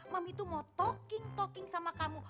mami itu mau talking talking sama kamu